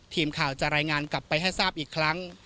ทีมข่าวจะรายงานกลับไปให้ทราบอีกครั้ง